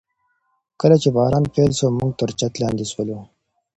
کله چي باران پیل سو، موږ تر چت لاندي سولو.